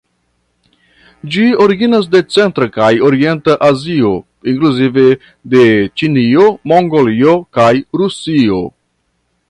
Ĝi originas de centra kaj orienta Azio, inkluzive de Ĉinio, Mongolio kaj Rusio.